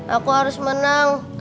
aku harus menang